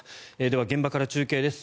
では、現場から中継です。